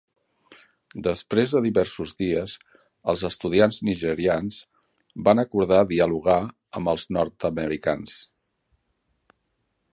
Després de diversos dies, els estudiants nigerians van acordar dialogar amb els nord-americans.